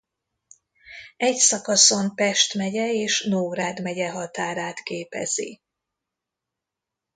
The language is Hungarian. Egy szakaszon Pest megye és Nógrád megye határát képezi.